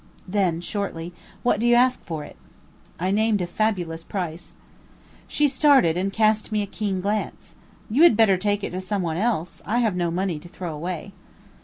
Then shortly, "What do you ask for it?" I named a fabulous price. She started and cast me a keen glance. "You had better take it to some one else; I have no money to throw away."